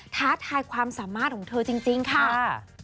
ท้าทายความสามารถของเธอจริงค่ะ